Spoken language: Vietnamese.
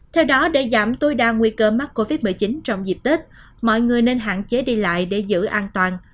theo đó để giảm tối đa nguy cơ mắc covid một mươi chín trong dịp tết mọi người nên hạn chế đi lại để giữ an toàn